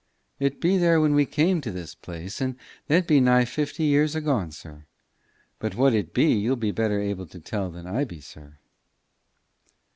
"It be there when we come to this place, and that be nigh fifty years agone, sir. But what it be, you'll be better able to tell than I be, sir."